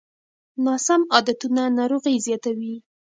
ناسم عادتونه ناروغۍ زیاتوي.